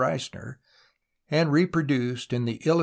lleisner (and repro duced in The lUu.